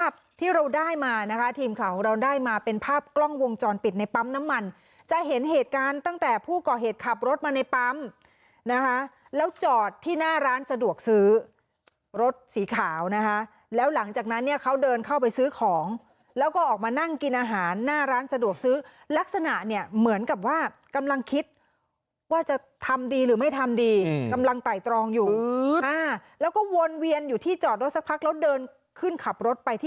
ภาพที่เราได้มานะคะทีมข่าวเราได้มาเป็นภาพกล้องวงจรปิดในปั๊มน้ำมันจะเห็นเหตุการณ์ตั้งแต่ผู้ก่อเหตุขับรถมาในปั๊มนะคะแล้วจอดที่หน้าร้านสะดวกซื้อรถสีขาวนะคะแล้วหลังจากนั้นเนี่ยเขาเดินเข้าไปซื้อของแล้วก็ออกมานั่งกินอาหารหน้าร้านสะดวกซื้อลักษณะเนี่ยเหมือนกับว่ากำลังคิดว่าจะทำดีหรือไม่ทำดี